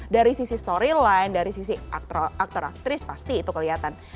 dari sisi story line dari sisi aktor aktris pasti itu kelihatan